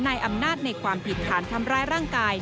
นายอำนาจในความผิดฐานทำร้ายร่างกาย